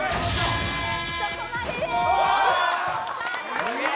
すげえ。